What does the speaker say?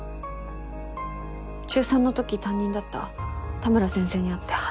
中３の時担任だった田村先生に会って。